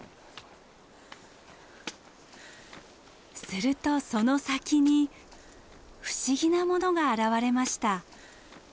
するとその先に不思議なものが現れました。